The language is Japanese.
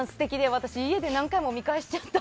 私、家で何回も見返しちゃった。